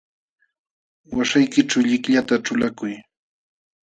Waśhaykićhu llillata ćhulakuy.